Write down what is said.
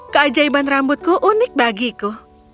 keajaiban rambutku unik bagiku